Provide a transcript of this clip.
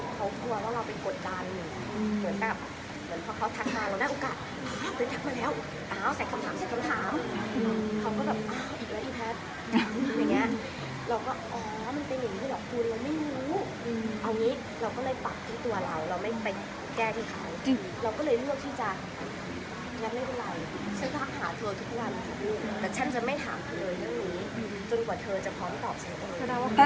แล้วไม่เป็นไรฉันตามหาเธอทุกวันแต่ฉันจะไม่ถามเธอเลยจนกว่าเธอจะพร้อมตอบฉัน